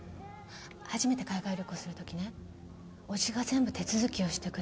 初めて海外旅行するときね伯父が全部手続きをしてくれた。